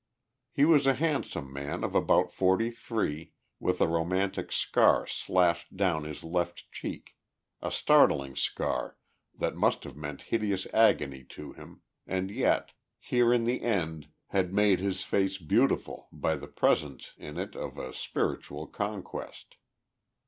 He was a handsome man of about forty three, with a romantic scar slashed down his left cheek, a startling scar that must have meant hideous agony to him, and yet, here in the end, had made his face beautiful, by the presence in it of a spiritual conquest.